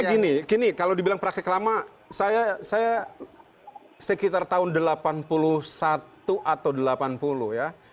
begini gini kalau dibilang praktik lama saya sekitar tahun delapan puluh satu atau delapan puluh ya